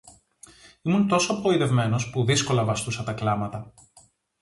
Ήμουν τόσο απογοητευμένος, που δύσκολα βαστούσα τα κλάματα